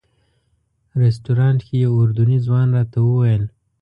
رسټورانټ کې یو اردني ځوان راته وویل.